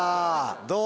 どう？